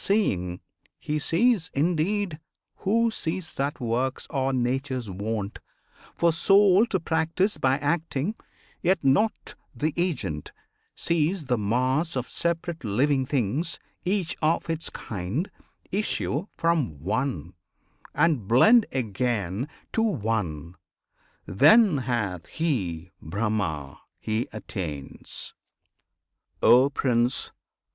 Seeing, he sees, indeed, who sees that works Are Nature's wont, for Soul to practise by Acting, yet not the agent; sees the mass Of separate living things each of its kind Issue from One, and blend again to One: Then hath he BRAHMA, he attains! O Prince!